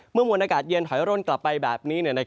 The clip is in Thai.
มวลอากาศเย็นถอยร่นกลับไปแบบนี้